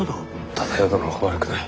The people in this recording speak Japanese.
忠世殿は悪くない。